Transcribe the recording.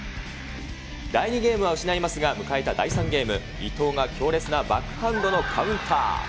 第２ゲームは失いますが、迎えた第３ゲーム、伊藤が強烈なバックハンドのカウンター。